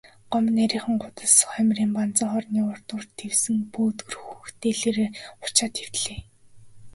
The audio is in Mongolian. Гомбо нарийхан гудас хоймрын банзан орны урдуур дэвсэн пөөдгөр хөх дээлээрээ хучаад хэвтлээ.